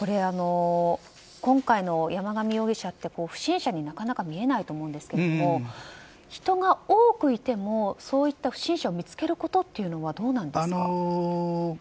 今回の山上容疑者って不審者になかなか見えないと思うんですが人が多くいてもそういった不審者を見つけることはどうなんですか。